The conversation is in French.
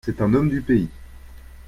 C'est un homme du pays.